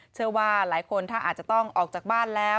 เชื่อว่าหลายคนถ้าอาจจะต้องออกจากบ้านแล้ว